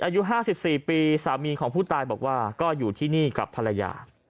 อายุ๕๔ปีสามีของผู้ตายบอกว่าก็อยู่ที่นี่กับภรรยา